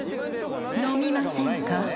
飲みませんか？